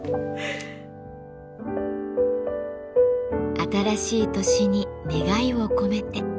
新しい年に願いを込めて。